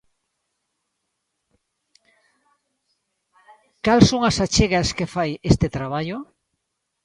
Cal son as achegas que fai este traballo?